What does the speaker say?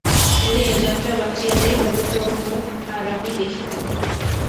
যদি এ-যাত্রা বাঁচিয়া যাই তবে তোর মুখ আর আমি দেখিব না।